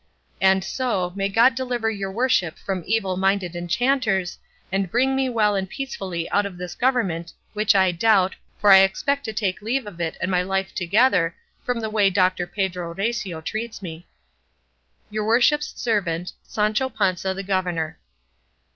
And so, may God deliver your worship from evil minded enchanters, and bring me well and peacefully out of this government, which I doubt, for I expect to take leave of it and my life together, from the way Doctor Pedro Recio treats me. Your worship's servant SANCHO PANZA THE GOVERNOR.